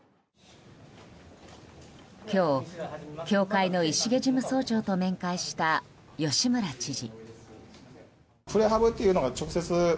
今日、協会の石毛事務総長と面会した吉村知事。